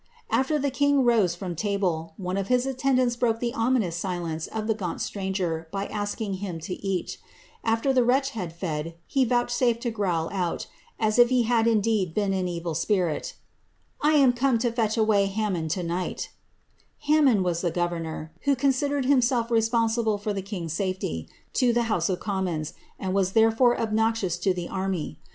^' After the king rose from table, one of his attendants broke the ominous silence of the gaunt stranger by asking him to eat After the wretch had fed, he vouchsafed to growl out, as if he had indeed beea an evil spirit, ^^ I am come to fetch away Hammond to night^ ' Ham mond was the governor, who considered himself responsible for the king's safety, to the House of Commons, and was therefore obnoxiooi to the army.